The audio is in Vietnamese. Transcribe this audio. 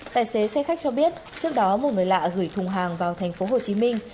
tài xế xe khách cho biết trước đó một người lạ gửi thùng hàng vào thành phố hồ chí minh